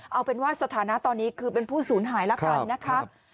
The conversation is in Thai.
เอาเป็นว่าสถานะตอนนี้คือเป็นผู้สูญหายแล้วกันนะคะ